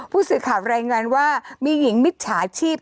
ผู้สื่อข่าวรายงานว่ามีหญิงมิจฉาชีพ